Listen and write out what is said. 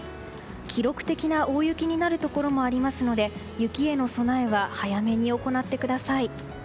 記録的な大雪になるところもありますので、雪への備えは早めに行ってください。